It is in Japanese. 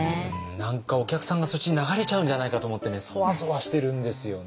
何かお客さんがそっちに流れちゃうんじゃないかと思ってねそわそわしてるんですよね。